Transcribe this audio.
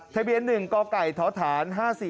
ทะเบียนหนึ่งกไก่ทฐาน